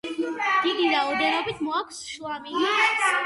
დიდი რაოდენობით მოაქვს შლამი.